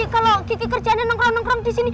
kalo geki kerjaannya nongkrong nongkrong disini